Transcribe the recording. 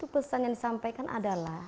pesan yang disampaikan adalah